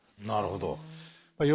なるほど。